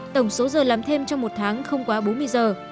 tổng số giờ làm thêm trong một tháng không quá bốn mươi giờ